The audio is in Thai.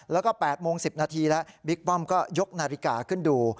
แล้วก็๘โมง๑๐นาทีแล้วบิ๊กป้อมก็ยกนาฬิกาขึ้นดู